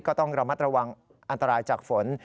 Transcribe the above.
ก็ต้องระมัดระวังอันตรายจากฝน